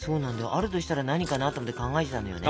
あるとしたら何かなと思って考えてたんだよね。